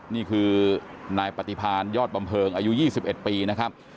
นี่คือนายปฏิพาณยอดบำเพิงอายุ๒๑ปีนะครับ